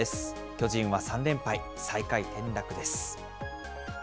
巨人は３連敗、最下位転落です。